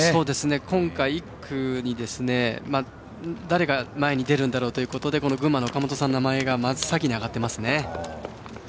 今回１区に誰が前に出るんだろうということでこの群馬の岡本さんの名前が真っ先に挙がっていますね。